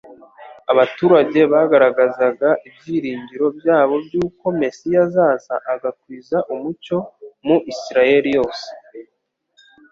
abaturage bagaragazaga ibyiringiro byabo by'uko Mesiya azaza agakwiza umucyo mu Isiraeli yose.